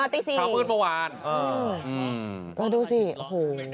ตีสี่อ๋อดูสิโอ้โฮ